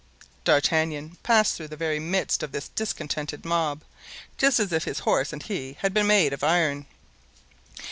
D'Artagnan passed through the very midst of this discontented mob just as if his horse and he had been made of iron.